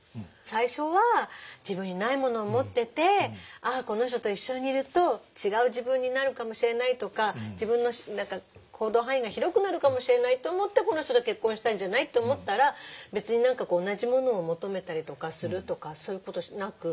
最初は自分にないものを持っててこの人と一緒にいると違う自分になるかもしれないとか自分の何か行動範囲が広くなるかもしれないと思ってこの人と結婚したんじゃないと思ったら別に何か同じものを求めたりとかするとかそういうことなく。